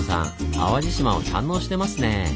淡路島を堪能してますね！